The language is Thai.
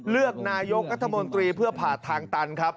๖เลือกนายกกัธมนตรีเพื่อผ่าทางตัน